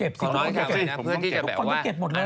ผมมองเจอกันใหม่นะเพื่อนที่จะแบบว่า